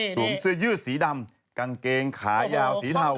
เสื้อยืดสีดำกางเกงขายาวสีเทา